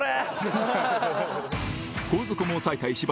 後続も抑えた石橋